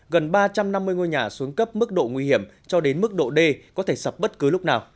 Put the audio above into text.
gần ba trăm năm mươi ngôi nhà xuống cấp mức độ nguy hiểm cho đến mức độ d có thể sập bất cứ lúc nào